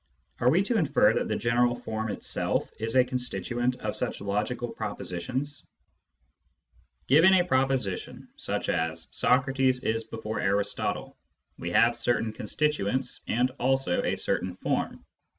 Are we to infer that the general form itself is a constituent of such logical propositions ? Given a proposition, such as " Socrates is before Aristotle," we have certain constituents and also a certain form.